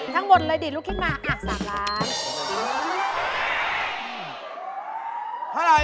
ทั้งหมดเลยลูกคิดมาอัก๓ล้าน